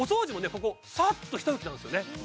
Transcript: ここさっとひと拭きなんですよね